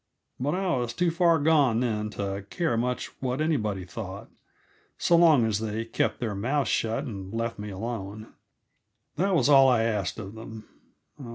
But I was too far gone then to care much what anybody thought; so long as they kept their mouths shut and left me alone, that was all I asked of them.